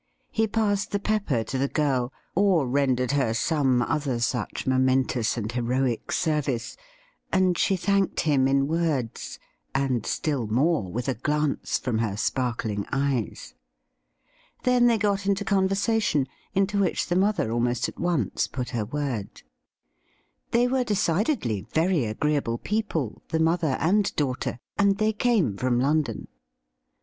He passed the pepper to the girl, or rendered her some other such momentous and heroic service, and she thanked him in words, and still more with a glance from her sparkling eyes. Then they got into conversation, into which the mother almost at once put her word. They were decidedly very agreeable people, the mother and daughter, and they came from London.